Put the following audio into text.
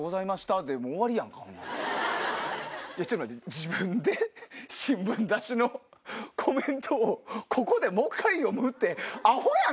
自分で新聞出しのコメントをここでもう１回読むって。